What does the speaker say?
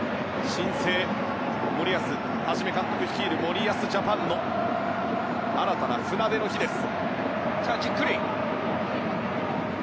森保一監督率いる森保ジャパンの新たな船出の日です。